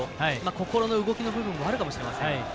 心の動きの部分もあるかもしれません。